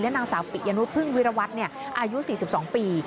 นางสาวปิยนุพึ่งวิรวัตรอายุ๔๒ปี